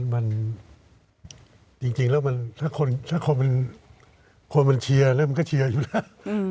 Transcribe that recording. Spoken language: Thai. มันจริงจริงแล้วมันถ้าคนถ้าคนมันคนมันเชียร์แล้วมันก็เชียร์อยู่แล้ว